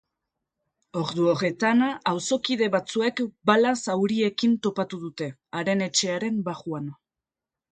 Ordu horretan, auzokide batzuek bala zauriekin topatu dute, haren etxearen barruan.